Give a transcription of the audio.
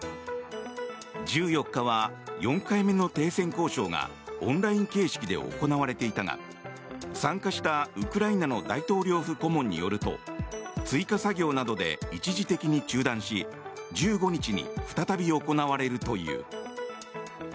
１４日は４回目の停戦交渉がオンライン形式で行われていたが参加したウクライナの大統領府顧問によると追加作業などで一時的に中断し１５日に再び行われるという。